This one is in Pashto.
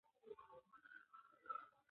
ماشومانو ته باید د زده کړې زمینه برابره سي.